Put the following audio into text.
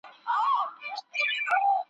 مغزونه کوچ سي قلم یې وچ سي ,